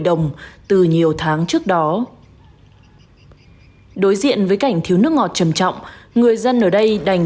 đồng từ nhiều tháng trước đó đối diện với cảnh thiếu nước ngọt trầm trọng người dân ở đây đành